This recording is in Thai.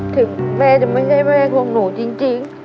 ถึงแม่จะไม่ใช่แม่ของหนูจริง